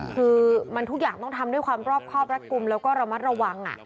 คือมันทุกอย่างต้องทำด้วยความรอบครอบรัดกลุ่มแล้วก็ระมัดระวัง